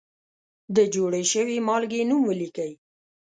د جوړې شوې مالګې نوم ولیکئ.